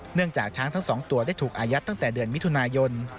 จากช้างทั้ง๒ตัวได้ถูกอายัดตั้งแต่เดือนมิถุนายน